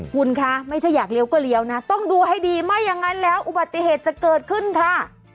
คุณคะไม่ใช่อยากเลี้ยวก็เลี้ยวนะต้องดูให้ดีไม่อย่างนั้นแล้วอุบัติเหตุจะเกิดขึ้นค่ะ